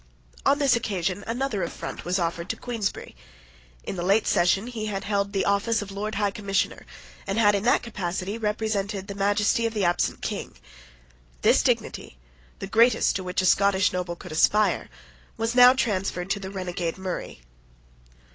On this occasion another affront was offered to Queensberry. In the late session he had held the office of Lord High Commissioner, and had in that capacity represented the majesty of the absent King. This dignity, the greatest to which a Scottish noble could aspire, was now transferred to the renegade Murray.